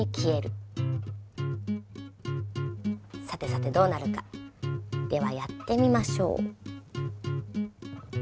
さてさてどうなるか？ではやってみましょう。